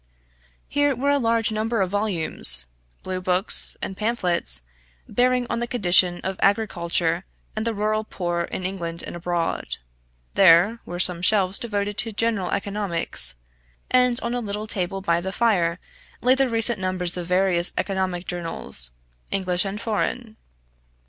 Here were a large number of volumes, blue books, and pamphlets, bearing on the condition of agriculture and the rural poor in England and abroad; there were some shelves devoted to general economics, and on a little table by the fire lay the recent numbers of various economic journals, English and foreign.